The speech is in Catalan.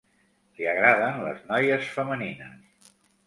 Li agraden les noies femenines.